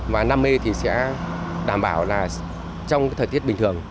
và năm m thì sẽ đảm bảo là trong thời tiết bình thường